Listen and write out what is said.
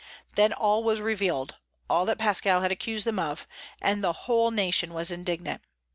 Then all was revealed, all that Pascal had accused them of, and the whole nation was indignant.